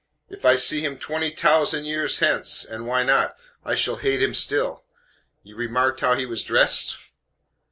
If I see him twenty tausend years hence and why not? I shall hate him still. You remarked how he was dressed?"